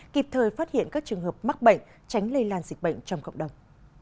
kịp thời phát hiện các trường hợp mắc bệnh tránh lây lan dịch bệnh trong cộng đồng